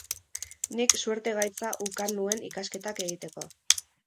Nik suerte gaitza ukan nuen ikasketak egiteko.